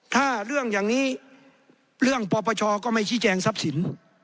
ถ้าเรื่องอย่างนี้เรื่องปปชก็ไม่ชี้แจงทรัพย์สิน